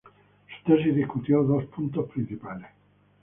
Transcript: Su tesis discutió dos puntos principales.